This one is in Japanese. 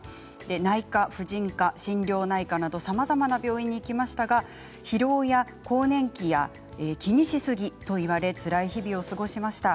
内科、婦人科、心療内科などさまざまな病院に行きましたが疲労や更年期や気にしすぎと言われつらい日々を過ごしました。